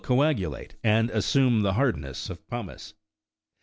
coagulate, and assume the hardness of pumice.